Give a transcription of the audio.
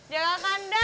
jaga kandang ya mas